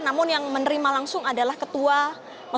namun yang menerima langsung adalah ketua